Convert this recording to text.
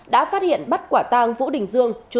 đã phát hiện bắt quả tang vũ đình dương